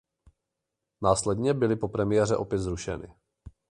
Následně byly po premiéře opět zrušeny.